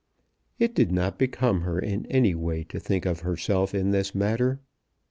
It did not become her in any way to think of herself in this matter.